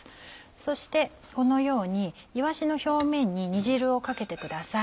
そしてこのようにいわしの表面に煮汁をかけてください。